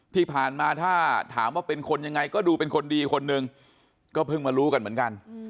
ที่ผ่านมาถ้าถามว่าเป็นคนยังไงก็ดูเป็นคนดีคนหนึ่งก็เพิ่งมารู้กันเหมือนกัน